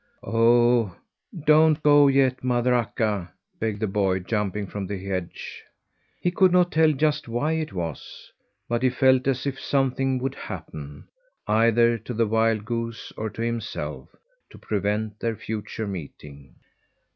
"Oh, don't go yet, Mother Akka!" begged the boy, jumping from the hedge. He could not tell just why it was, but he felt as if something would happen, either to the wild goose or to himself, to prevent their future meeting.